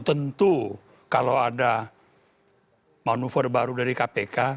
tentu kalau ada manuver baru dari kpk